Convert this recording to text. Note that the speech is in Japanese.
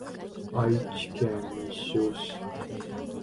愛知県西尾市